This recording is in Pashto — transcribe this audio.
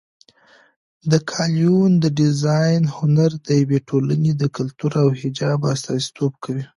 د کالیو د ډیزاین هنر د یوې ټولنې د کلتور او حجاب استازیتوب کوي.